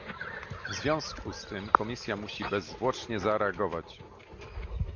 W związku z tym Komisja musi bezzwłocznie zareagować